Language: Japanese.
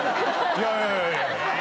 いやいや。